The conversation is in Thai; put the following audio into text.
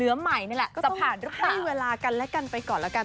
แล้วก็ให้เวลากันและกันไปก่อนแล้วกัน